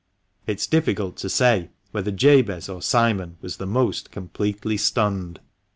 It is difficult to say whether Jabez or Simon was the most completely stunned.